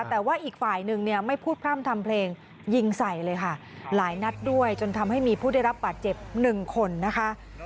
แต่ว่าอีกฝ่ายหนึ่งเนี่ยไม่พูดพร่ำทำเพลงยิงใส่เลยค่ะหลายนัดด้วยจนทำให้มีผู้ได้รับบาดเจ็บหนึ่งคนนะคะ